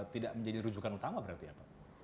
tidak menjadi rujukan utama berarti ya pak